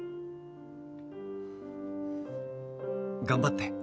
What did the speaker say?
頑張って。